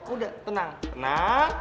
udah tenang tenang